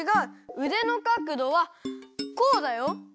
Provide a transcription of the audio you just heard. うでのかくどはこうだよ。